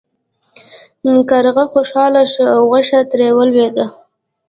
کارغه خوشحاله شو او غوښه ترې ولویده.